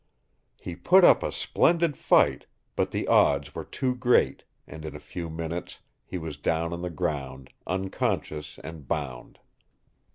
He put up a splendid fight, but the odds were too great, and in a few minutes he was down on the ground, unconscious and bound.